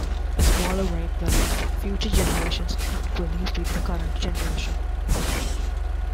A smaller rate values future generations equally with the current generation.